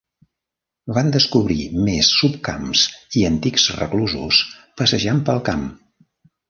Van descobrir més subcamps i antics reclusos passejant pel camp.